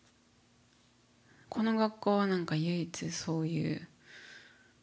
この学校は何か唯一そういう何だろう